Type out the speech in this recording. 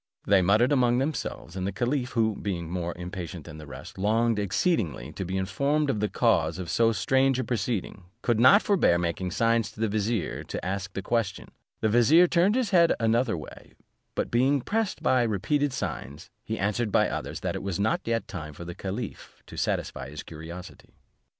They muttered among themselves, and the caliph, who, being more impatient than the rest, longed exceedingly to be informed of the cause of so strange a proceeding, could not forbear making signs to the vizier to ask the question: the vizier turned his head another way; but being pressed by repeated signs, he answered by others, that it was not yet time for the caliph to satisfy his curiosity.